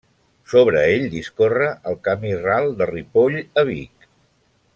Sobre ell discorre el camí ral de Ripoll a Vic.